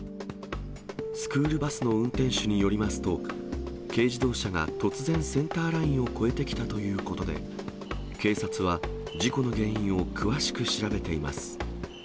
スクールバスの運転手によりますと、軽自動車が突然センターラインを越えてきたということで、警察は事故の原因を詳しく調べています。